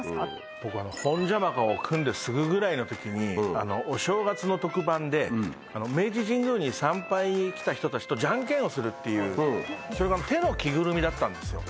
僕、ホンジャマカを組んですぐぐらいのときに、お正月の特番で、明治神宮に参拝に来た人たちとジャンケンをするっていう、それが手の着ぐるみだったんですよ。